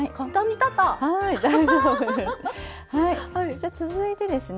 じゃ続いてですね